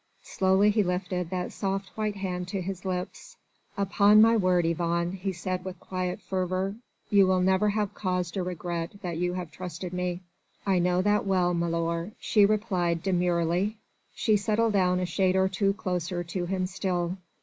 Slowly he lifted that soft white hand to his lips. "Upon my word, Yvonne," he said with quiet fervour, "you will never have cause to regret that you have trusted me." "I know that well, milor," she replied demurely. She settled down a shade or two closer to him still.